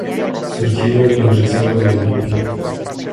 Surgido de las reservas del Olimpia.